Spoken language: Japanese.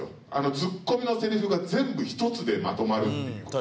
ツッコミのセリフが全部１つでまとまるっていうの。